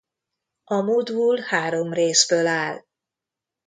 A modul három részből áll.